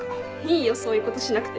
いいよそういうことしなくて。